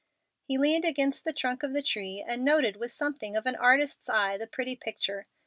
He leaned against the trunk of the tree and noted with something of an artist's eye the pretty picture.